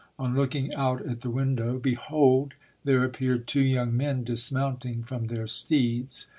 On looking out at the window, behold ! there ap peared two young men dismounting from their steeds.